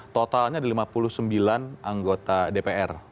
totalnya ada lima puluh sembilan anggota dpr